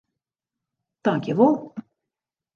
Tankjewol.